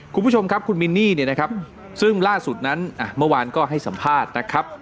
คุณผู้ชมครับคุณมินนี่เนี่ยนะครับซึ่งล่าสุดนั้นเมื่อวานก็ให้สัมภาษณ์นะครับ